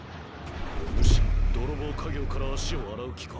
お主泥棒稼業から足を洗う気か？